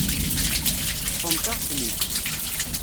Teṭṭfemt-aɣ-ten-id.